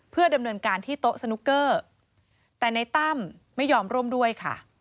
เพื่อดำเนินการที่โต๊ะสนุกเกอร์แต่ในตั้มไม่ยอมร่วมด้วยค่ะ